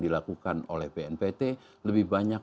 dilakukan oleh bnpt lebih banyak